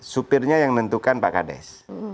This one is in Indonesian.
supirnya yang menentukan pak kades